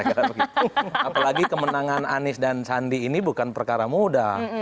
apalagi kemenangan anies dan sandi ini bukan perkara mudah